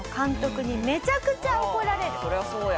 そりゃそうや。